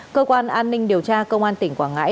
cơ quan an ninh điều tra công an tỉnh quảng ngãi